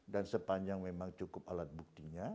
dan sepanjang memang cukup alat buktinya